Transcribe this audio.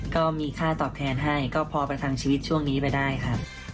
ก็มีค่าตอบแทนให้ก็พอประทังชีวิตช่วงนี้ไปได้ครับ